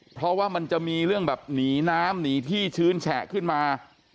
เพราะว่ามันจะมีเรื่องแบบหนีน้ำหนีที่ชื้นแฉะขึ้นมา